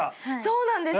そうなんです！